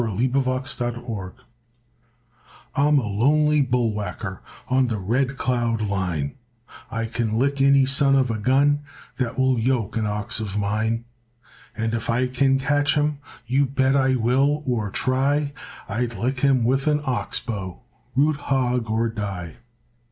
THE BULL WHACKER I'm a lonely bull whacker On the Red Cloud line, I can lick any son of a gun That will yoke an ox of mine. And if I can catch him, You bet I will or try, I'd lick him with an ox bow, Root hog or die.